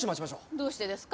どうしてですか？